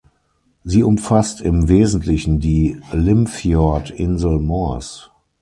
Sie umfasst im Wesentlichen die Limfjord-Insel Mors.